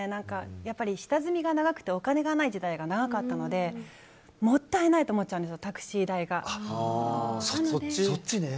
やっぱり下積みが長くてお金がない時代が長かったので、もったいないって思っちゃうんです。